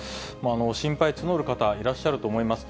心配募る方、いらっしゃると思います。